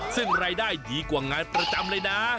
ซึ่งรายได้ดีกว่างานประจำเลยนะ